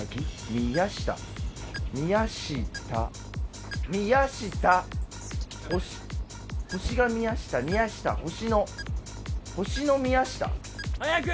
宮下宮下宮下星星が宮下宮下星の星の宮下早く！